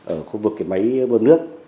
ở khu vực cái máy bơm nước